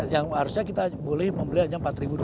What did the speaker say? yang harusnya kita boleh membeli hanya rp empat dua ratus